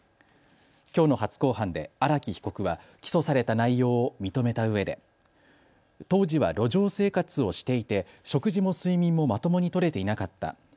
きょうの初公判で荒木被告は起訴された内容を認めたうえで当時は路上生活をしていて食事も睡眠もまともにとれていなかった。